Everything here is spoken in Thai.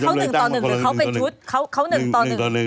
ก็มีทางเรียกต่อหนึ่งต่อหนึ่ง